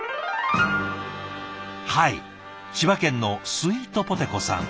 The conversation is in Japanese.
はい千葉県のスイートポテこさん。